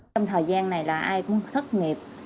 trong thời gian này là ai cũng thất nghiệp